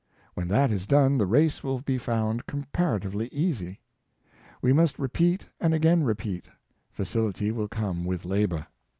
When that is done, the race will be found comparatively easy. We must repeat and again repeat, facility will come with labor.